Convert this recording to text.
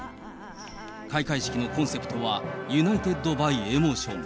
開会式のコンセプトは、ユナイテッド・バイ・エモーション。